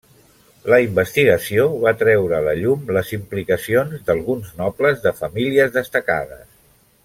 La investigació va treure a la llum les implicacions d'alguns nobles de famílies destacades.